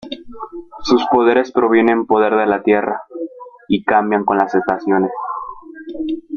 Sus poderes provienen poder de la Tierra y cambian con las estaciones.